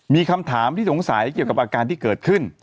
มีคำถามที่สงสัยเกี่ยวกับอาการที่เกิดขึ้น